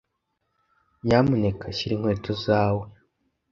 Nyamuneka shyira inkweto zawe.